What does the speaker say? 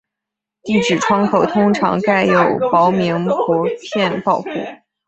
地址窗口通常盖有透明薄片保护。